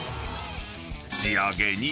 ［仕上げに］